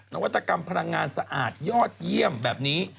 นวัตกรรมพลังงานสะอาดยอดเยี่ยมแบบนี้